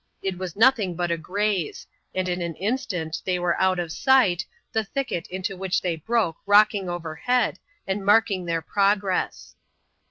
It was nothing but a graze ; and in an instant they were out of sight, the thicket into which they broke rocking overhead, and mariung their progress.